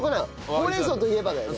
「ほうれん草といえば」だよね。